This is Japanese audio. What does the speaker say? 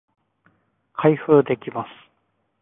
開封できます